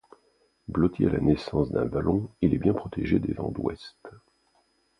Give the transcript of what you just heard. Blotti à la naissance d'un vallon, il est bien protégé des vents d'ouest.